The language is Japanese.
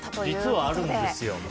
実はあるんですよ。